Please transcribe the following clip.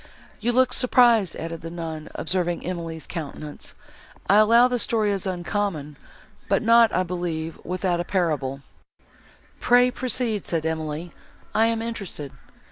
You look surprised," added the nun, observing Emily's countenance; "I allow the story is uncommon, but not, I believe, without a parallel." "Pray proceed," said Emily, "I am interested."